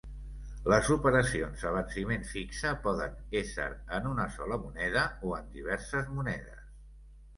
Les operacions a venciment fixe poden ésser en una sola moneda o en diverses monedes.